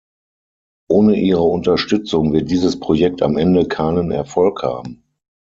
Ohne Ihre Unterstützung wird dieses Projekt am Ende keinen Erfolg haben.